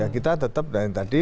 kita tetap dari tadi